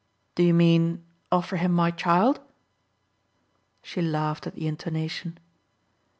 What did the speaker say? "Do you mean offer him my child?" She laughed at the intonation.